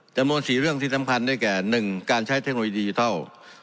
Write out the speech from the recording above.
จำนวน๔เรื่องที่สำคัญได้แก่๑การใช้เทคโนโลยีดิจิทัล